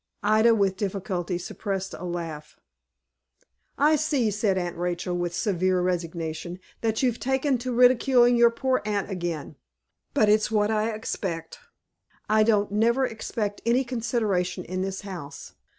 Ida, with difficulty, suppressed a laugh. "I see," said Aunt Rachel, with severe resignation, "that you've taken to ridiculing your poor aunt again. But it's what I expect. I don't never expect any consideration in this house.